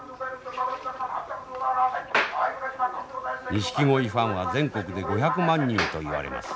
ニシキゴイファンは全国で５００万人といわれます。